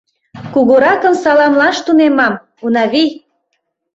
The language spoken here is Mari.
— Кугуракым саламлаш тунемам, Унавий!